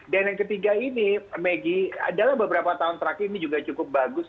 dan yang ketiga ini maggie dalam beberapa tahun terakhir ini juga cukup bagus